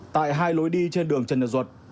tại hai lối đi trên đường trần nhật duật